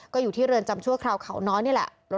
ก็อยู่ที่เรือนจำชั่วคราวเขาน้อยนี่แหละ